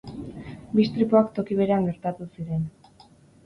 Bi istripuak toki berean gertatu ziren.